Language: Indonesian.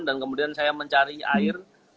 dan kemudian saya mencari air